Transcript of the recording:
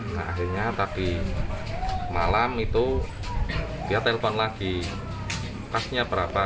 nah akhirnya tadi malam itu dia telpon lagi pasnya berapa